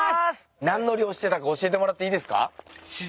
何の漁してたか教えてもらっていいですか？